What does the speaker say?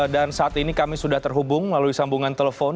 dan saat ini kami sudah terhubung lalu disambungan telepon